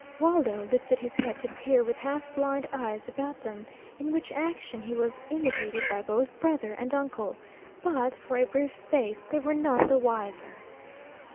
Waldo lifted his head to peer with half blind eyes about them, in which action he was imitated by both brother and uncle; but, for a brief space, they were none the wiser.